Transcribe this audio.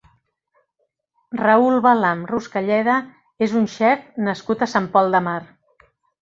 Raül Balam Ruscalleda és un xef nascut a Sant Pol de Mar.